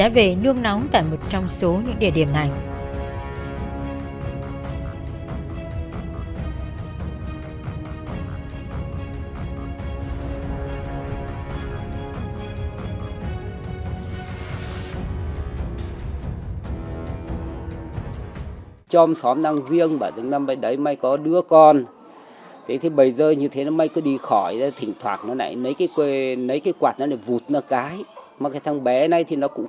về nương nóng tại một trong số những địa điểm này